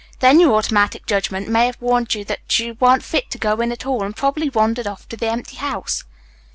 Then your automatic judgment may have warned you that you weren't fit to go in at all, and you probably wandered off to the empty house."